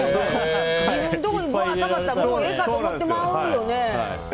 自分のところにたまったらええかなと思ってまうよね。